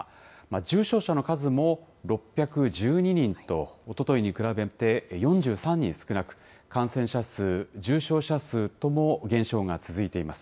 重症者の数も６１２人と、おとといに比べて４３人少なく、感染者数、重症者数とも減少が続いています。